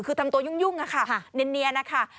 คือทำตัวยุ่งค่ะเนียนนะคะ